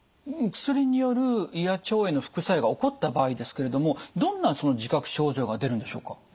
薬による胃や腸への副作用が起こった場合ですけれどもどんなその自覚症状が出るんでしょうか？